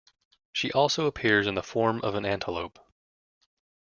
She also appears in the form of an antelope.